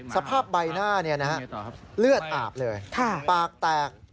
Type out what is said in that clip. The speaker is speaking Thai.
สภาพใบหน้าเนี่ยนะครับเลือดอาบเลยปากแตก